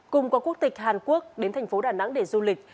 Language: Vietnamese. cùng có quốc tịch hàn quốc đến thành phố đà nẵng để du lịch